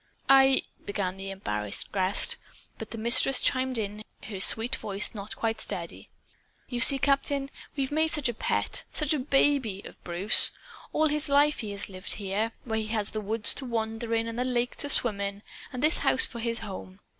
"I " began the embarrassed guest; but the Mistress chimed in, her sweet voice not quite steady. "You see, Captain, we've made such a pet such a baby of Bruce! All his life he has lived here here where he had the woods to wander in and the lake to swim in, and this house for his home.